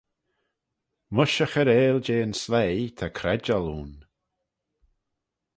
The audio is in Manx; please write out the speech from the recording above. Mysh e chairail jeh yn sleih ta credjal ayn.